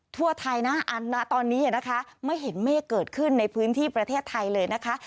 ทั่วไทยนะตอนนี้นะคะไม่เห็นเมฆเกิดขึ้นในพื้นที่ประเทศไทยเลยนะคะ